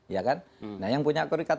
ya kan nah yang punya korikat